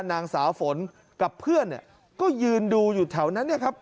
นางสาวฝนกับเพื่อนเนี่ยก็ยืนดูอยู่แถวนั้นเนี่ยครับ